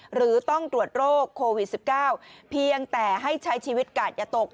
หรือต้องตรวจโรคโควิด๑๙เพียงแต่ให้ใช้ชีวิตกาดอย่าตก